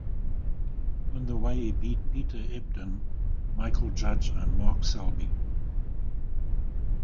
On the way he beat Peter Ebdon, Michael Judge and Mark Selby.